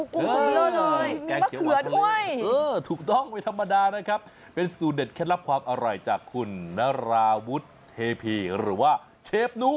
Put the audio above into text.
กรุ๊ปนี่มีปลาเขือดไหวเออถูกต้องไม่ธรรมดานะครับเป็นสูตรเด็ดแค่รับความอร่อยจากคุณนาราวุธเทพีหรือว่าเชฟนุ